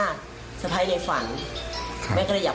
ตอบรับดีไหมครับ